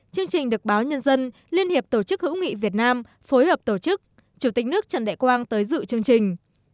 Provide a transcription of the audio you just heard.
chương trình được báo nhân dân liên hiệp tổ chức hữu nghị việt nam phối hợp tổ chức chủ tịch nước trần đại quang tới dự chương trình